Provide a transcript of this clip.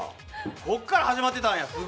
こっから始まってたんや。